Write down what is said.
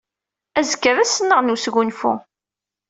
Azekka d ass-nneɣ n wesgunfu.